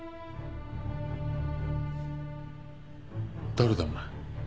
誰だお前。